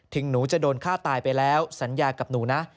หนูจะโดนฆ่าตายไปแล้วสัญญากับหนูนะ